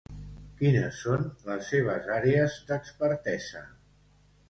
Quines són les seves àrees d'expertesa?